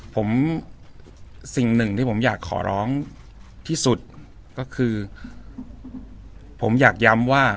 ผมสิ่งหนึ่งที่ผมอยากขอร้องที่สุดก็คือผมอยากย้ำว่า